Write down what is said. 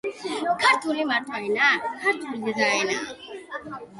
თბილისი ევროპიდან აზიისაკენ, სამხრეთიდან ჩრდილოეთისაკენ გამავალ გზებზე მდებარეობს.